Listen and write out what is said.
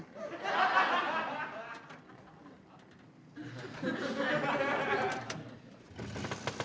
maaf mas silahkan melanjutkan perjalanan